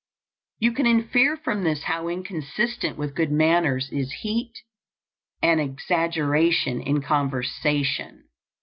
You can infer from this how inconsistent with good manners is heat and exaggeration in conversation.